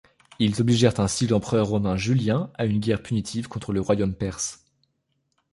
Ils obligèrent ainsi l'empereur romain Julien a une guerre punitive contre le royaume perse.